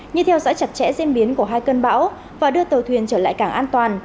như theo dõi chặt chẽ diễn biến của hai cơn bão và đưa tàu thuyền trở lại cảng an toàn